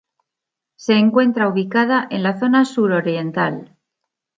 Se encuentra ubicada en la zona sur-oriental.